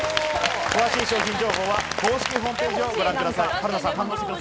詳しい商品情報は公式ホームページをご覧ください。